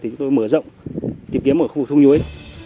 thì chúng tôi mở rộng tìm kiếm ở khu vực sông nhuế